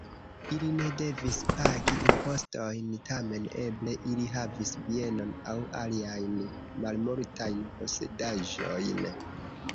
Ili ne devis pagi impostojn, tamen eble ili havis bienon aŭ aliajn malmultajn posedaĵojn.